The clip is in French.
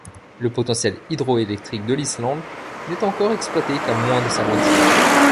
Le potentiel hydroélectrique de l'Islande n'est encore exploité qu'à moins de sa moitié.